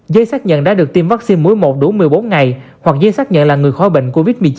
dây xác nhận đã được tiêm vaccine mối một đủ một mươi bốn ngày hoặc dây xác nhận là người khói bệnh covid một mươi chín